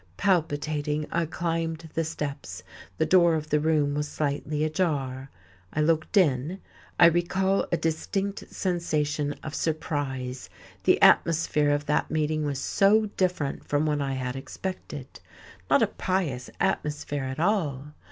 Palpitating, I climbed the steps; the door of the room was slightly ajar; I looked in; I recall a distinct sensation of surprise, the atmosphere of that meeting was so different from what I had expected. Not a "pious" atmosphere at all!